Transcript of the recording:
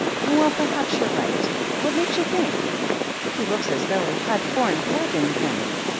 Well, perhaps you're right. What makes you think ...?" "He looks as though he had foreign blood in him."